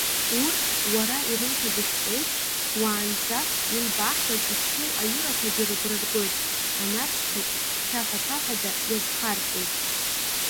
Урҭ, уара ируҭаз ашәҟәы еиԥш, уаанӡа илбааҳгаз иԥшьоу аҩырақәагьы рыгәра ргоит, анарцәгьы хьаҳәаԥаҳәада иазхарҵоит.